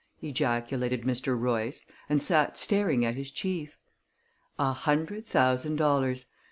ejaculated Mr. Royce, and sat staring at his chief. "A hundred thousand dollars!